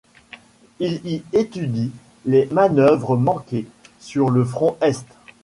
Il y étudie les manœuvres manquées sur le front Est.